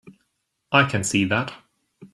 I can see that.